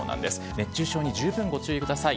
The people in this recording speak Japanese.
熱中症に十分ご注意ください。